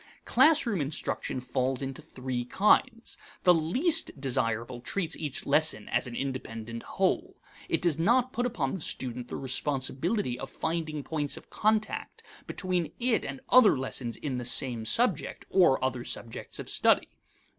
Classroom instruction falls into three kinds. The least desirable treats each lesson as an independent whole. It does not put upon the student the responsibility of finding points of contact between it and other lessons in the same subject, or other subjects of study.